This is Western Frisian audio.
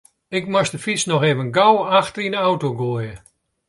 Ik moast de fyts noch even gau achter yn de auto goaie.